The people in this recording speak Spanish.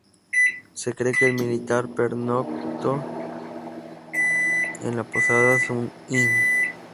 Se cree que el militar pernoctó en la posada "Sun Inn".